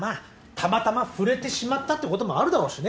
たまたま触れてしまったってこともあるだろうしね。